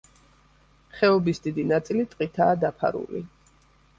ხეობის დიდი ნაწილი ტყითაა დაფარული.